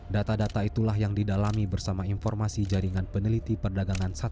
data data itulah yang didalami bersama informasi jaringan peneliti perdagangan